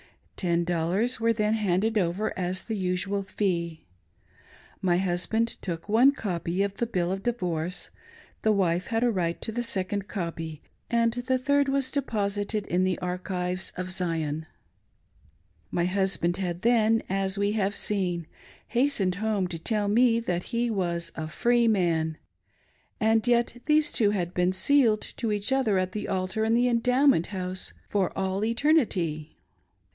Ten dollars were then handed over as the usual fee ; My husband took, one copy of the ■" bill of divorce," the wife had a right to a second copy, and the third was deposited in the archives of Zion. My husband had then, as we have seen, hastened home to tell me that he was "a free man:" — and yet these two had been " sealed " to each other at the altar in the Endowment House "for all eternity !".